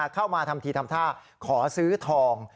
เข้ามาทำทีทำท่าขอซื้อทอง